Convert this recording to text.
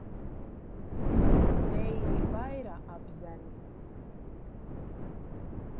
Veiri vaira ap zemi.